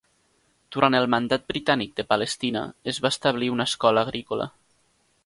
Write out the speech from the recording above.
Durant el Mandat britànic de Palestina, es va establir una escola agrícola.